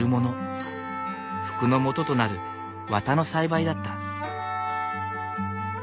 服のもととなる綿の栽培だった。